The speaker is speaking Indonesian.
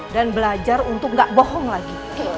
dan belajar untuk gak bohong lagi